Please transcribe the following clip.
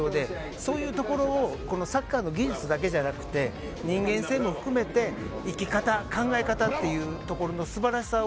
そういうところをサッカーの技術だけじゃなくて人間性も含めて生き方、考え方っていうところの素晴らしさを